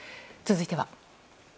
続いては。